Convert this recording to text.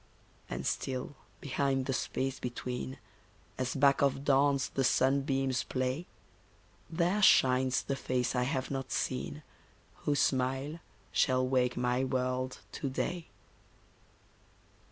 And still behind the space between, As back of dawns the sunbeams play, There shines the face I have not seen, Whose smile shall wake my world to day.